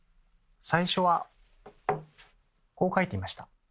最初はこう書いていました。